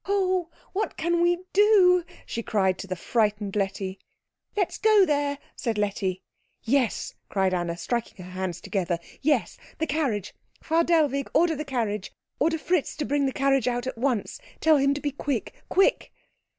"Oh, what can we do?" she cried to the frightened Letty. "Let's go there," said Letty. "Yes!" cried Anna, striking her hands together. "Yes! The carriage Frau Dellwig, order the carriage order Fritz to bring the carriage out at once. Tell him to be quick quick!"